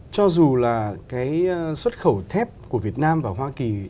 cho dù là cái xuất khẩu thép của việt nam và hoa kỳ